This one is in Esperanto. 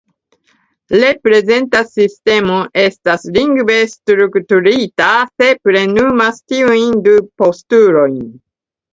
Reprezenta sistemo estas lingve strukturita se plenumas tiujn du postulojn.